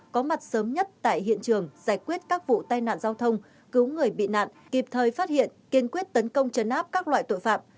có mặt sớm nhất tại hiện trường giải quyết các vụ tai nạn giao thông cứu người bị nạn kịp thời phát hiện kiên quyết tấn công chấn áp các loại tội phạm